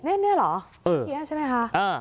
แม่เนื้อหรอแม่เนื้อใช่ไหมค่ะ